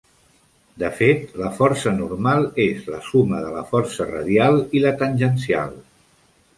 De fet, la força normal és la suma de la força radial i la tangencial.